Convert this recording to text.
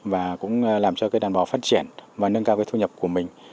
và cũng làm cho đàn bò phát triển và nâng cao thu nhập của mình